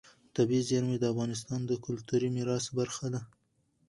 طبیعي زیرمې د افغانستان د کلتوري میراث برخه ده.